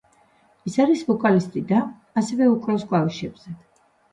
ის არის ვოკალისტი და ასევე უკრავს კლავიშებზე.